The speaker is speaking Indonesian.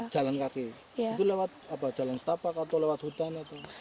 jalan kaki itu lewat jalan setapak atau lewat hutan